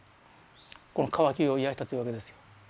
この渇きを癒やしたというわけですよ。